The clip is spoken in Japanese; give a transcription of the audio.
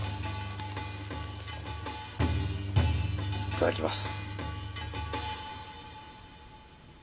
いただきます。